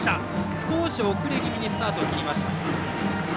少し遅れ気味にスタートしていました。